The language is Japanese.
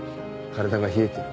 体が冷えてる。